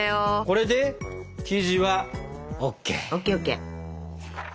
これで生地はＯＫ！